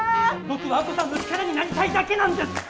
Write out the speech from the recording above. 僕は亜子さんの力になりたいだけなんです！